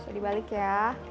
bisa dibalik ya